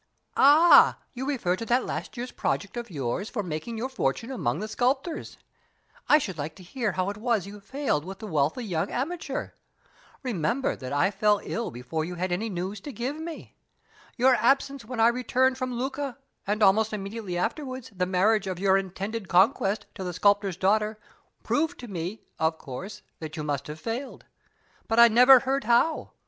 "Ah! you refer to that last year's project of yours for making your fortune among the sculptors. I should like to hear how it was you failed with the wealthy young amateur. Remember that I fell ill before you had any news to give me. Your absence when I returned from Lucca, and, almost immediately afterward, the marriage of your intended conquest to the sculptor's daughter, proved to me, of course, that you must have failed. But I never heard how.